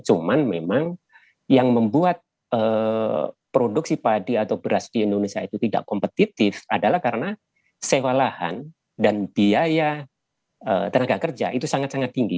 cuman memang yang membuat produksi padi atau beras di indonesia itu tidak kompetitif adalah karena sewa lahan dan biaya tenaga kerja itu sangat sangat tinggi